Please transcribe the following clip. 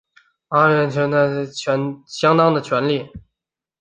阿联酋的伊斯兰教法拥有相当的权力。